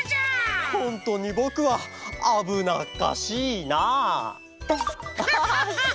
ホントにぼくはあぶなっかしいなあ。